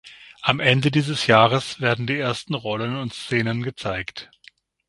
Am Ende dieses Jahres werden die ersten Rollen und Szenen gezeigt.